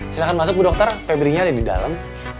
silahkan masuk bu dokter febri nya ada di dalam